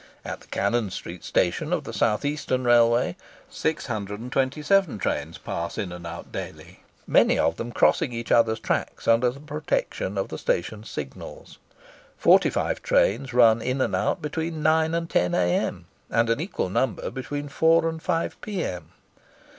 At the Cannon Street Station of the South Eastern Railway, 627 trains pass in and out daily, many of them crossing each other's tracks under the protection of the station signals. Forty five trains run in and out between 9 and 10 A.M., and an equal number between 4 and 5 P.M.